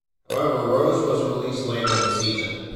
However Rose was released later in the season.